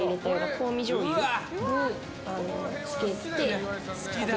香味じょうゆにつけて。